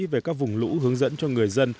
về các vùng lũ hướng dẫn cho người dân